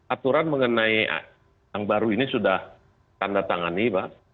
aturan mengenai yang baru ini sudah tanda tangani pak